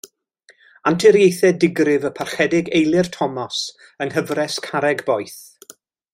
Anturiaethau digrif y Parchedig Eilir Thomas, yng Nghyfres Carreg Boeth.